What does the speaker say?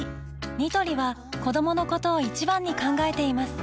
ニトリは子どものことを一番に考えています